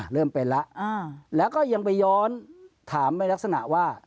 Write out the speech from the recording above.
เริ่มเป็นแล้วแล้วก็ยังไปย้อนถามไปลักษณะว่า